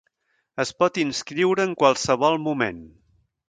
Es pot inscriure en qualsevol moment.